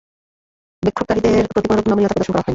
বিক্ষোভকারীদের প্রতি কোনরূপ নমনীয়তা প্রদর্শন করা হয়নি।